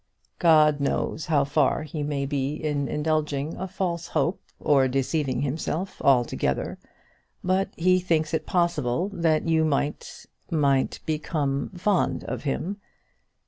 "God knows how far he may be indulging a false hope, or deceiving himself altogether; but he thinks it possible that you might might become fond of him.